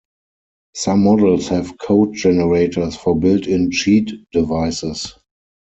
Some models have code generators for built in cheat devices.